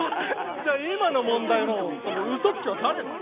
じゃあ今の問題のウソつきは誰なの？